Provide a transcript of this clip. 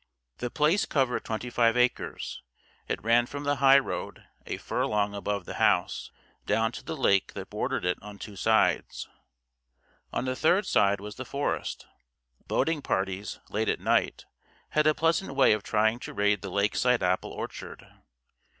The Place covered twenty five acres. It ran from the high road, a furlong above the house, down to the lake that bordered it on two sides. On the third side was the forest. Boating parties, late at night, had a pleasant way of trying to raid the lakeside apple orchard.